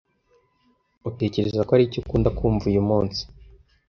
Utekereza ko ari iki ukunda kumva uyu munsi? "